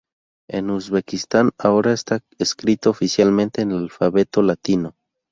En Uzbekistán, ahora está escrito oficialmente en el alfabeto latino.